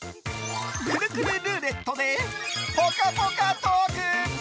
くるくるルーレットでぽかぽかトーク。